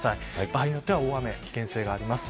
場合によっては大雨危険性があります。